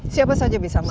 siapa saja bisa masuk